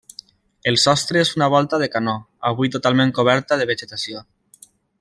El sostre és una volta de canó, avui totalment coberta de vegetació.